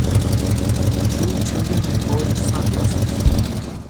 Two children in orange sunglasses.